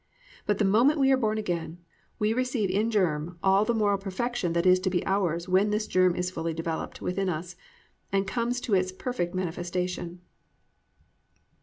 But the moment we are born again we receive in germ all the moral perfection that is to be ours when this germ is fully developed within us and comes to its perfect manifestation.